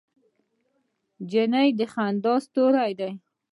نجلۍ د خندا ستورې ده.